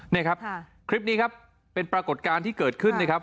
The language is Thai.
นี่ครับคลิปนี้ครับเป็นปรากฏการณ์ที่เกิดขึ้นนะครับ